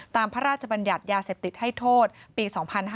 พระราชบัญญัติยาเสพติดให้โทษปี๒๕๕๙